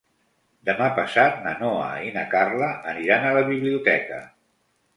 Demà passat na Noa i na Carla aniran a la biblioteca.